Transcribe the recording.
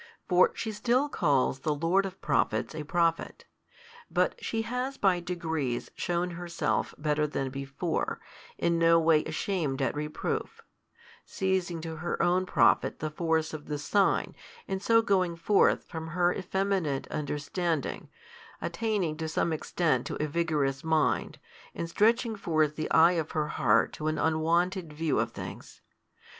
For she still calls the Lord of Prophets a Prophet. But she has by degrees shewn herself better than before, in no way ashamed at reproof, seizing to her own profit the force of the sign and so going forth from her effeminate understanding, attaining to some extent to a vigorous mind, and stretching forth the eye of her heart to an unwonted view of things.